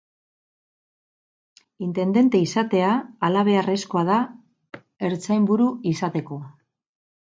Intendente izatea halabeharrezkoa da ertzainburu izateko.